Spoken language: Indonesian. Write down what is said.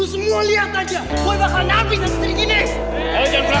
lu semua lihat aja gue bakal nabi sampai jadi gini